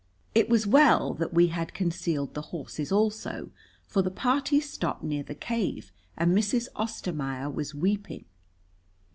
It was well that we had concealed the horses also, for the party stopped near the cave, and Mrs. Ostermaier was weeping.